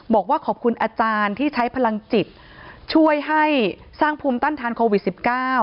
บอกว่าขอบคุณอาจารย์ที่ใช้พลังจิตช่วยให้สร้างภูมิต้านทานโควิด๑๙